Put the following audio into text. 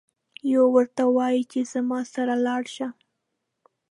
یو ورته وایي چې زما سره لاړشه.